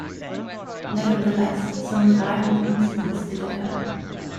Nevertheless, some violent incidents did occur.